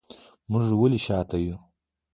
موږ ولې شاته یو